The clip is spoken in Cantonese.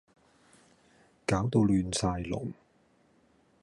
搞到亂晒龍